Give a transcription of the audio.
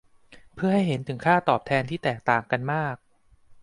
เพื่อให้เห็นถึงค่าตอบแทนที่แตกต่างกันมาก